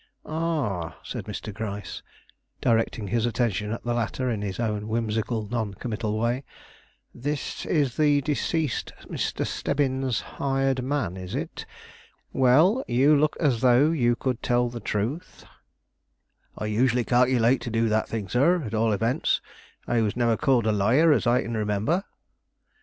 "Ah," said Mr. Gryce, directing his attention at the latter in his own whimsical, non committal way; "this is the deceased Mr. Stebbins' hired man, is it? Well, you look as though you could tell the truth." "I usually calculate to do that thing, sir; at all events, I was never called a liar as I can remember."